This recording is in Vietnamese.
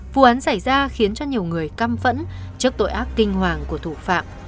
vụ án xảy ra khiến cho nhiều người căm phẫn trước tội ác kinh hoàng của thủ phạm